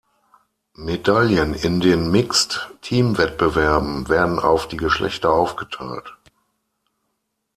Medaillen in den Mixed-Teamwettbewerben werden auf die Geschlechter aufgeteilt.